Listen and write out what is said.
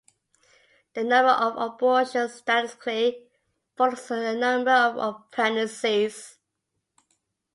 The number of abortions statistically follows the number of pregnancies.